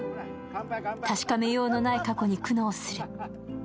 確かめようのない過去に苦悩する。